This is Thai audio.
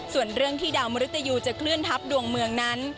ส่วนเรื่องที่ดาวมริตยูจะเคลื่อนทัพดวงเมืองนั้น